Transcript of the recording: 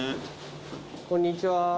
こんにちは。